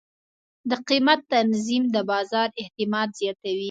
د قیمت تنظیم د بازار اعتماد زیاتوي.